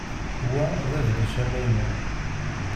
Wa d adlis amaynu.